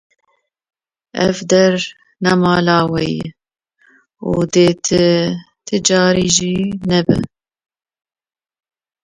Ev der ne mala we ye û dê ti carî jî nebe.